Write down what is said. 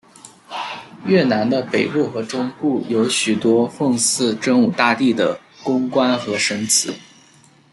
越南的北部和中部有许多奉祀真武大帝的宫观和神祠。